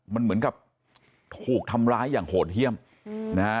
มันเหมือนกับถูกทำร้ายอย่างโหดเยี่ยมนะฮะ